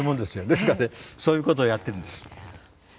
ですからねそういうことをやってるんです。